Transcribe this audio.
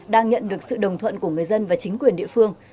đang nhận được sự đồng thuận của người dân và chính quyền địa phương